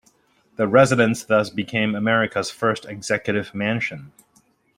The residence thus became America's first executive mansion.